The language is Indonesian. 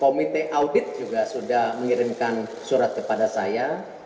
komite audit juga sudah mengirimkan surat kepada saya